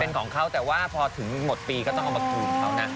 เป็นของเขาแต่ว่าพอถึงหมดปีก็ต้องเอามาคืนเขานะ